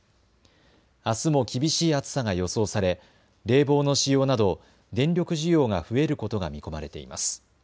あすも厳しい暑さが予想され冷房の使用など電力需要が増えることが見込まれています。